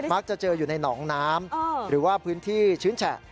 เจออยู่ในหนองน้ำหรือว่าพื้นที่ชื้นแฉะ